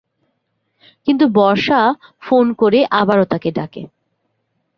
কিন্তু "বর্ষা" ফোন করে আবারও তাকে ডাকে।